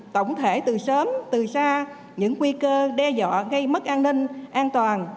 tổng thể từ sớm từ xa những nguy cơ đe dọa gây mất an ninh an toàn